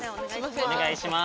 お願いします